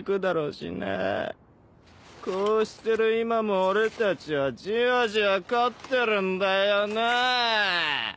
こうしてる今も俺たちはじわじわ勝ってるんだよなぁあ。